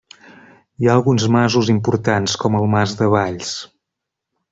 Hi ha alguns masos importants, com el Mas de Valls.